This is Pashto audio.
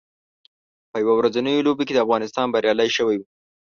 په یو ورځنیو لوبو کې افغانستان بریالی شوی و